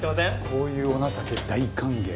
こういうお情け大歓迎。